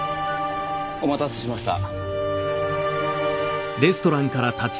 お待たせしました。